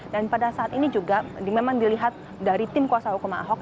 dan pada saat ini juga memang dilihat dari tim kuasa hukum ahok